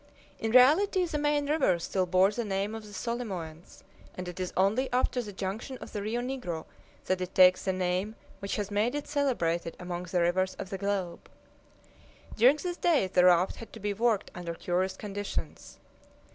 In reality the main river still bore the name of the Solimoens, and it is only after the junction of the Rio Negro that it takes the name which has made it celebrated among the rivers of the globe. During this day the raft had to be worked under curious conditions.